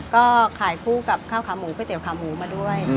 ก็ขายคู่กับข้าวขาหมูก๋วเตี๋ขาหมูมาด้วย